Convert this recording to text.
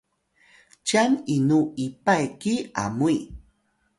cyan inu Ipay ki Amuy?